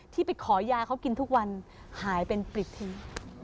ที่ไปขอยาเขากินทุกวันหายเป็นปลิบที